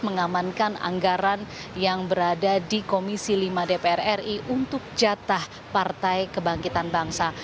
mengamankan anggaran yang berada di komisi lima dpr ri untuk jatah partai kebangkitan bangsa